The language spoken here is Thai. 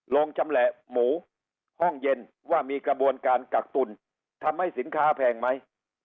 ชำแหละหมูห้องเย็นว่ามีกระบวนการกักตุลทำให้สินค้าแพงไหม